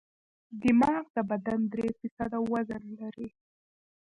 دماغ د بدن درې فیصده وزن لري.